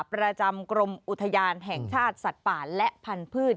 ประจำกรมอุทยานแห่งชาติสัตว์ป่าและพันธุ์